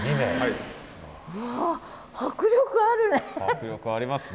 うわ迫力あるね。